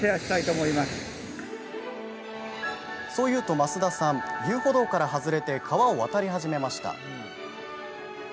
増田さん、遊歩道から外れて川を渡り始めました。